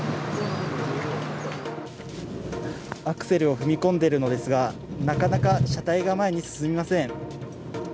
アクセルを踏み込んでいるのですが、なかなか車体が前に進みません。